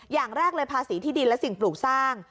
อย่างแรกเลยภาษีที่ดินและสิ่งปลูกสร้าง